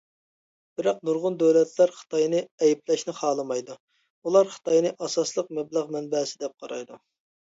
بىراق نۇرغۇن دۆلەتلەر خىتاينى ئەيىبلەشنى خالىمايدۇ، ئۇلار خىتاينى ئاساسلىق مەبلەغ مەنبەسى دەپ قارايدۇ .